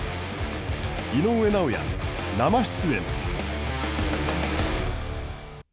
井上尚弥、生出演。